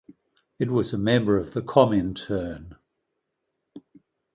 It was a member of the Comintern.